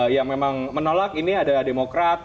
yang memang menolak ini ada demokrat